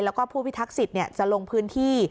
แล้วก็ผู้พิทักษิตจะลงพื้นที่